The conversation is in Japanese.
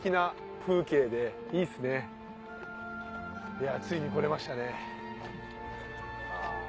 いやぁついに来れましたね。